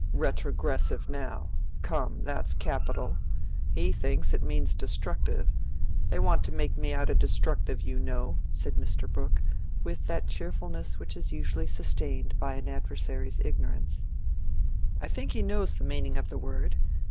Retrogressive, now! Come, that's capital. He thinks it means destructive: they want to make me out a destructive, you know," said Mr. Brooke, with that cheerfulness which is usually sustained by an adversary's ignorance. "I think he knows the meaning of the word.